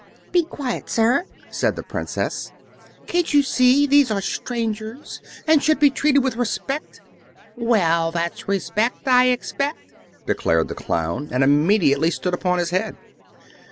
"Be quiet, sir!" said the Princess. "Can't you see these are strangers, and should be treated with respect?" "Well, that's respect, I expect," declared the Clown, and immediately stood upon his head.